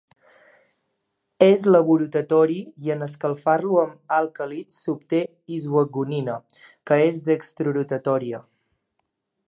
És levorotatori, i en escalfar-lo amb àlcalis s'obté isoecgonina, que és dextrorotatòria.